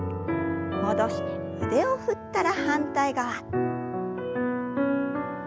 戻して腕を振ったら反対側。